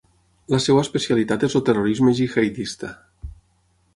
La seva especialitat és el terrorisme gihadista.